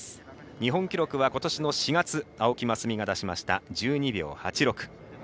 日本記録はことしの４月青木益未が出しました１２秒８６。